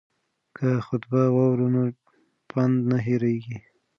که خطبه واورو نو پند نه هیریږي.